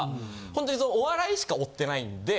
ほんとにお笑いしか追ってないんで。